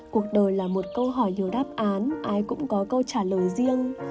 cuộc đời là một câu hỏi nhiều đáp án ai cũng có câu trả lời riêng